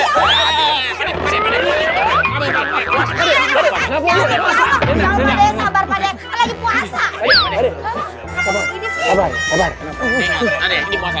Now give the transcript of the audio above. sampai lagi puasa